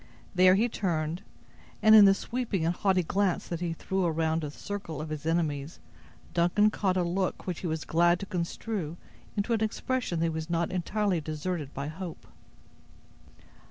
There he turned, and, in the sweeping and haughty glance that he threw around the circle of his enemies, Duncan caught a look which he was glad to construe into an expression that he was not entirely deserted by hope.